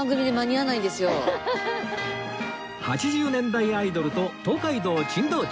８０年代アイドルと東海道珍道中